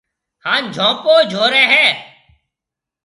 ھان جھونپو جھورَي ھيََََ